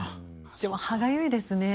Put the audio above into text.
でも歯がゆいですね。